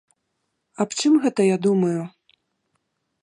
Аб чым гэта я думаю?